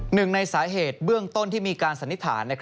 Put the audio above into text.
หนึ่งในสาเหตุเบื้องต้นที่มีการสันนิษฐาน